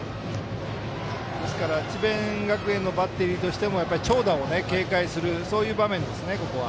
ですから智弁学園のバッテリーとしても長打を警戒する場面ですね。